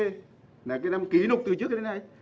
là cái năm ký nục từ trước đến nay